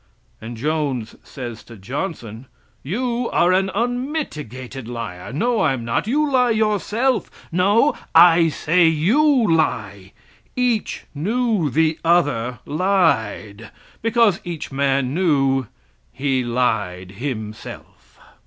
And Jones says to Johnson, "You are an unmitigated liar!" "No, I'm not; you lie yourself." "No! I say you lie!" Each knew the other lied, because each man knew he lied himself.